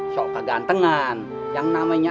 sok kegantengan yang namanya